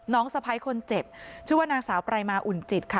สะพ้ายคนเจ็บชื่อว่านางสาวปรายมาอุ่นจิตค่ะ